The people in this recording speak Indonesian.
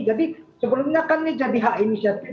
jadi sebelumnya kan ini jadi hak inisiatif